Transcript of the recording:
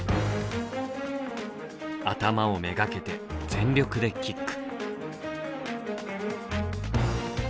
頭を目がけて全力でキック。